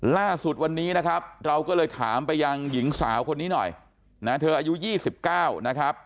ล่าสุดวันนี้นะครับเราก็เลยถามไปยังหญิงสาวคนนี้หน่อยนะเธออายุ๒๙นะครับ